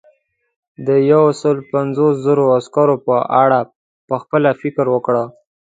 د یو سلو پنځوس زرو عسکرو په اړه پخپله فکر وکړه.